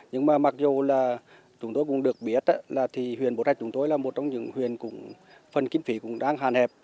nhưng mà mặc dù là chúng tôi cũng được biết là huyền bộ thạch chúng tôi là một trong những huyền phần kinh phí cũng đang hàn hẹp